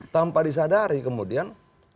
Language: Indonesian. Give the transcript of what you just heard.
tanpa disadari kemudian